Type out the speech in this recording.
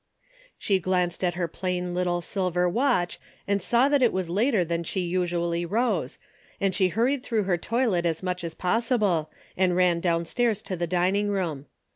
She glanced at her plain little silver watch and saw it was later than she usually rose, and she hurried through her toilet as much as possible, and ran downstairs to the dining room.